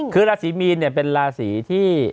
คือราศีมีนเป็นราศีที่